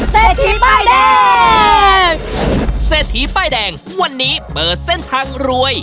เศรษฐีป้ายแดงเศรษฐีป้ายแดงวันนี้เปิดเส้นทางรวย